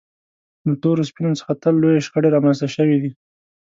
له تورو سپینو څخه تل لویې شخړې رامنځته شوې دي.